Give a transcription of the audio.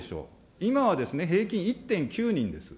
今は平均１．９人です。